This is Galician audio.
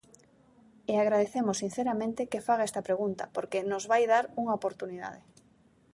E agradecemos sinceramente que faga esta pregunta porque nos vai dar unha oportunidade.